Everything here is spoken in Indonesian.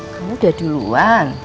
kamu udah duluan